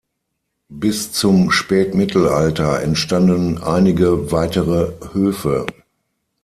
Bis zum Spätmittelalter entstanden einige weitere Höfe.